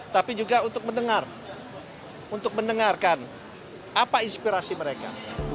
tapi juga untuk mendengar untuk mendengarkan apa inspirasi mereka